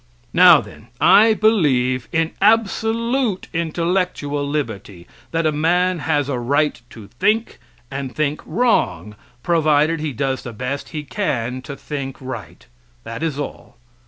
Now, then, I believe in absolute intellectual liberty; that a man has a right to think, and think wrong, provided he does the best he can to think right that is all.